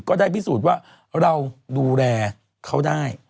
ก็ได้พิสูจน์ว่าเราดูแลเขาได้